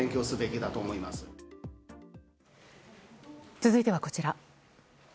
続いては、こちら。